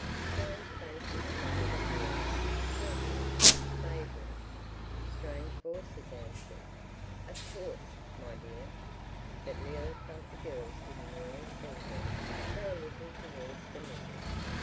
Strange faces smiled at Leila—sweetly, vaguely. Strange voices answered, "Of course, my dear." But Leila felt the girls didn't really see her. They were looking towards the men.